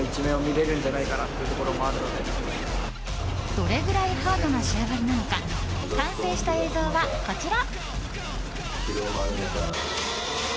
どれぐらいハードな仕上がりなのか完成した映像はこちら。